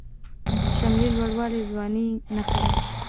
د شملې لوړوالی د ځوانۍ نښه ده.